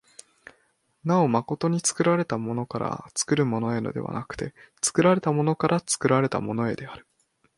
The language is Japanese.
なお真に作られたものから作るものへではなくて、作られたものから作られたものへである。